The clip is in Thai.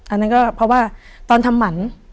อันนั้นก็เพราะว่าตอนทำหมัน